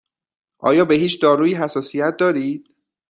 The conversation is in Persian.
آیا به هیچ دارویی حساسیت دارید؟